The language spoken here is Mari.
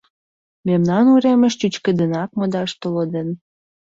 Мемнан уремыш чӱчкыдынак модаш толеден.